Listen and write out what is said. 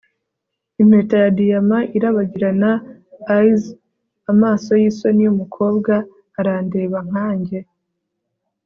impeta ya diyama irabagirana eyes amaso yisoni yumukobwa arandeba nkanjye